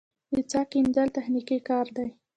د څاه کیندل تخنیکي کار دی